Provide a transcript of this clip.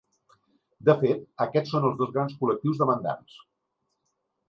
De fet, aquests són els dos grans col·lectius demandants.